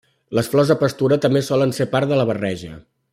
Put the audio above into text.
Les flors de pastura també solen ser part de la barreja.